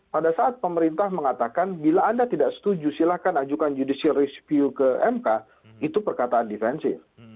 pada saat pemerintah mengatakan bila anda tidak setuju silahkan ajukan judicial rescue ke mk itu perkataan defensif